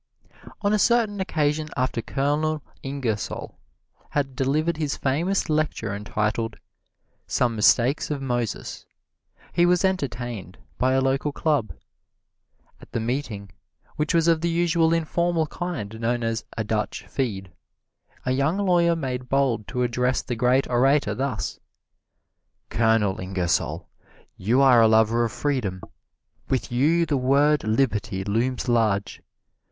On a certain occasion after Colonel Ingersoll had delivered his famous lecture entitled, "Some Mistakes of Moses," he was entertained by a local club. At the meeting, which was of the usual informal kind known as "A Dutch Feed," a young lawyer made bold to address the great orator thus: "Colonel Ingersoll, you are a lover of freedom with you the word liberty looms large.